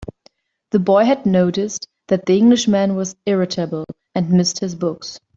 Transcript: The boy had noticed that the Englishman was irritable, and missed his books.